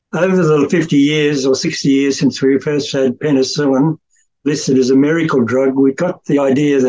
kita mendapatkan ide bahwa antibiotik akan menguatkan semua jenis infeksi